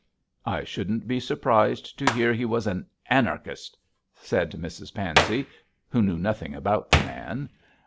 'I shouldn't be surprised to hear he was an Anarchist,' said Mrs Pansey, who knew nothing about the man.